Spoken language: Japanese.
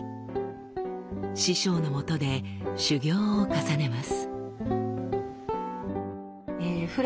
師匠のもとで修業を重ねます。